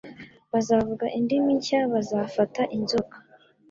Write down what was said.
bazavuga indimi nshya, bazafata inzoka,